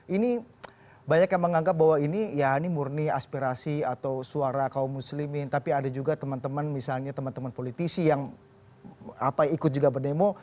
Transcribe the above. ini banyak yang menganggap bahwa ini ya ini murni aspirasi atau suara kaum muslimin tapi ada juga teman teman misalnya teman teman politisi yang ikut juga berdemo